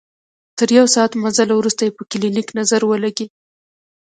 تر يو ساعت مزله وروسته يې په کلينيک نظر ولګېد.